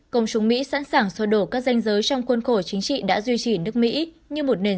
cộng chúng mỹ sẵn sàng xoa đổ các danh giới trong khuôn khổ chính trị đã duy trì nước mỹ như một nền